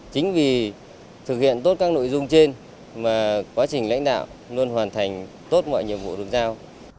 chính vì thực hiện tốt các nội dung trên mà quá trình lãnh đạo luôn hoàn thành tốt mọi nhiệm vụ được giao